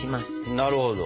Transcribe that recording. なるほど。